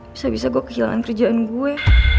bisa bisa gue kehilangan kerjaan gue